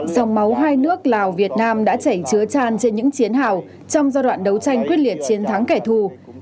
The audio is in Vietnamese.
dòng máu hai nước lào việt nam đã chảy chứa tràn trên những chiến hào trong giai đoạn đấu tranh quyết liệt chiến thắng kẻ thù